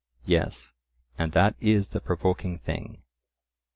"Yes, and that is the provoking thing."